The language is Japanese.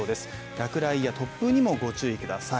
落雷や突風にもご注意ください。